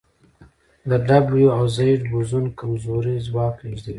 د ډبلیو او زیډ بوزون کمزوری ځواک لېږدوي.